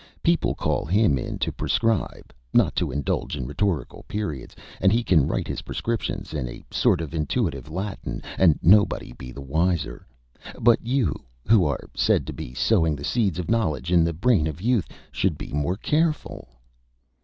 People call him in to prescribe, not to indulge in rhetorical periods, and he can write his prescriptions in a sort of intuitive Latin and nobody be the wiser, but you, who are said to be sowing the seeds of knowledge in the brain of youth, should be more careful."